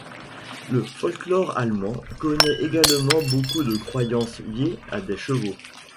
Le folklore allemand connaît également beaucoup de croyances liées à des chevaux.